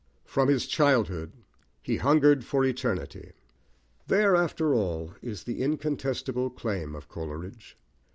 "From his childhood he hungered for eternity." There, after all, is the incontestable claim of Coleridge.